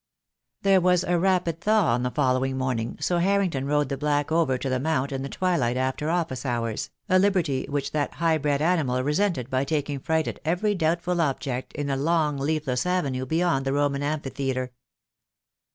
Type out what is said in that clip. There was a rapid thaw on the following morning, so Harrington rode the black over to the Mount in the twilight after office hours, a liberty which that high bred animal resented by taking fright at every doubtful object in the long leafless avenue beyond the Roman Amphitheatre.